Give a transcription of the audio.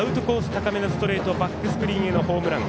高めのストレートバックスクリーンへのホームラン。